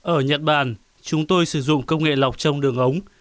ở nhật bản chúng tôi sử dụng công nghệ lọc trong đường ống